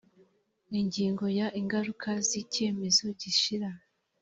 ingingo ya ingaruka z icyemezo gishyira